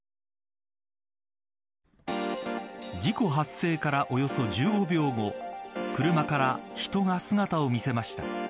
事故発生からおよそ１５秒後車から人が姿を見せました。